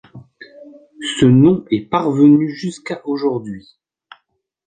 Ce nom est parvenu jusqu’à aujourd'hui.